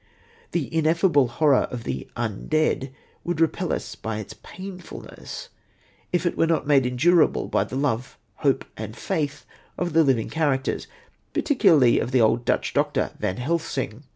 The ineffable horror of the "Un Dead" would repel us by its painfulness, if it were not made endurable by the love, hope and faith of the living characters, particularly of the old Dutch doctor, Van Helsing.